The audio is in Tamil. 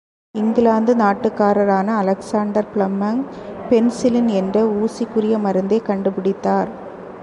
இங்கிலாந்து நாட்டுக்காரரான அலெக்சாண்டர் பிளம்மங் பென்சிலின் என்ற ஊசிக்குரிய மருந்தைக் கண்டு பிடித்தார்.